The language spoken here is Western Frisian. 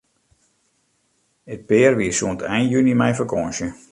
It pear wie sûnt ein juny mei fakânsje.